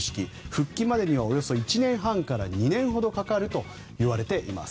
復帰までにはおよそ１年半から２年ほどかかるといわれています。